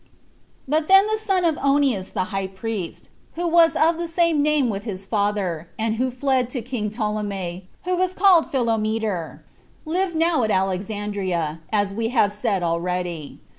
1. But then the son of Onias the high priest, who was of the same name with his father, and who fled to king Ptolemy, who was called Philometor, lived now at Alexandria, as we have said already.